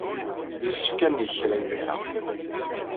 Yessefk ad neg kra imir-a.